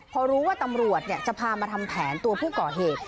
พอรู้ว่าตำรวจจะพามาทำแผนตัวผู้ก่อเหตุ